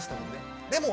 でも。